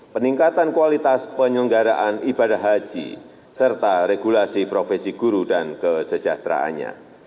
peningkatan kualitas penyelenggaraan ibadah haji serta regulasi profesi guru dan kesejahteraannya